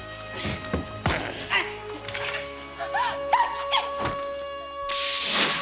大吉！